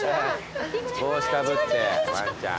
帽子かぶってワンちゃん。